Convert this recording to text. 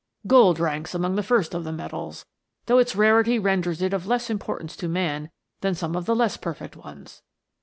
" Gold ranks first among the metals, though its rarity renders it of less importance to man than some of the less perfect ones.